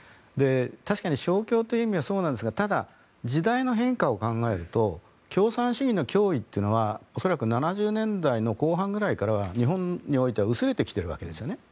確かに勝共という意味はそうなんですがただ、時代の変化を考えると共産主義の脅威というのは恐らく７０年代後半くらいからは日本においては薄れてきているんですね。